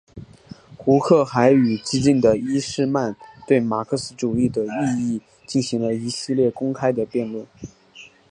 胡克还与激进的伊士曼对马克思主义的意义进行了一系列公开的辩论。